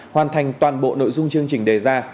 hoàn thành toàn bộ nội dung chương trình đề ra